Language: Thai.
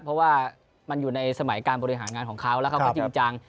เพราะว่ามันอยู่ในสมัยการบริหารงานของเขาแล้วเขาก็จริงจัง